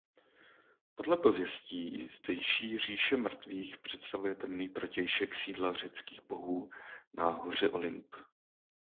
Podle pověstí zdejší říše mrtvých představuje temný protějšek sídla řeckých bohů na hoře Olymp.